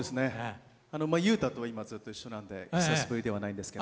雄大とは今ずっと一緒なので久しぶりではないんですけど。